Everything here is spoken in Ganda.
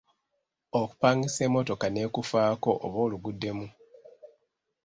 Okupangisa emmotoka n’ekufaako oba oluguddemu.